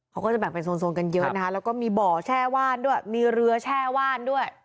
เขาก็จะแบ่งเป็นโซนกันเยอะนะคะแล้วก็มีบ่อแช่ว่านด้วยมีเรือแช่ว่านด้วย